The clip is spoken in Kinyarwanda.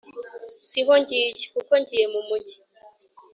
- si ho ngiye. kuko ngiye mu mujyi